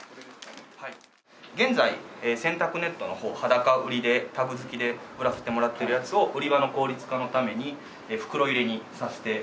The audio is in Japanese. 現在洗濯ネットの方裸売りでタグづきで売らせてもらってるやつを売り場の効率化のために袋入れにさせてもらいました。